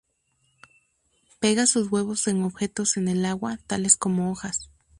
Pega sus huevos en objetos en el agua, tales como hojas.